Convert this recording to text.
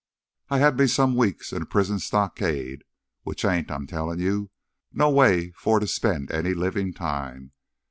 I had me some weeks in a prison stockade, which ain't, I'm tellin' you, no way for to spend any livin' time.